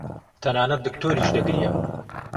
تەنانەت دکتۆریش دەگریا.